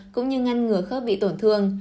cũng như ngăn ngừa khớp bị tổn thương